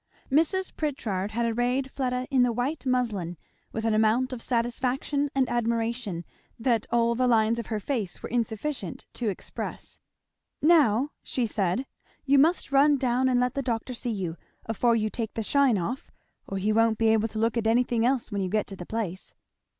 Mrs. Pritchard had arrayed Fleda in the white muslin, with an amount of satisfaction and admiration that all the lines of her face were insufficient to express. "Now," she said, "you must just run down and let the doctor see you afore you take the shine off or he won't be able to look at anything else when you get to the place."